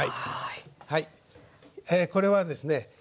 これはですね